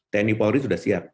tni polri sudah siap